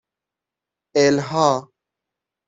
اِلها